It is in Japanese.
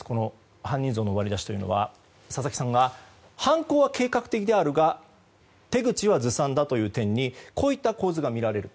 犯人像の割り出しというのは佐々木さんは、犯行は計画的だが手口はずさんだという点にこういった構図がみられると。